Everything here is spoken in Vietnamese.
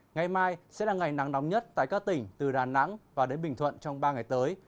ngày mai sẽ là ngày nắng nóng nhất tại các tỉnh từ đà nẵng và đến bình thuận trong ba ngày tới